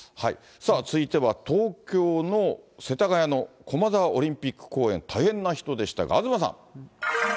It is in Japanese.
さあ続いては東京の世田谷の駒沢オリンピック公園、大変な人でした、東さん。